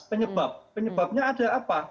penyebab penyebabnya ada apa